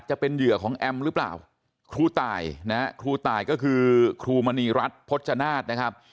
จะเป็นเหยื่อของแอมหรือเปล่าครูตายนะฮะครูตายก็คือครูมณีรัฐพจนาฏนะครับ